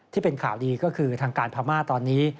ที่เป็นข่าวดีก็คือทางการพม่าตอนนี้